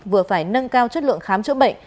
vừa phải nâng cao chất lượng khám chữa bệnh